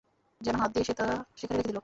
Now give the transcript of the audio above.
যেন হাত দিয়ে সে তা সেখানে রেখে দিল।